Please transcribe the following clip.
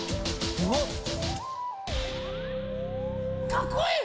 かっこいい！